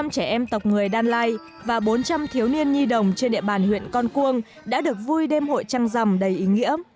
hai trăm linh trẻ em tộc người đan lai và bốn trăm linh thiếu niên nhi đồng trên địa bàn huyện con cuông đã được vui đêm hội trăng rầm đầy ý nghĩa